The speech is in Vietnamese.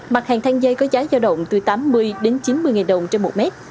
mặt hàng than dây có giá giao động từ tám mươi đến chín mươi ngàn đồng trên một mét